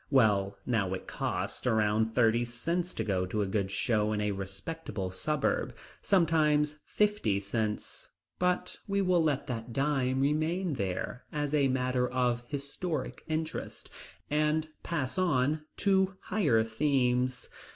Well, now it costs around thirty cents to go to a good show in a respectable suburb, sometimes fifty cents. But we will let that dime remain there, as a matter of historic interest, and pass on, to higher themes.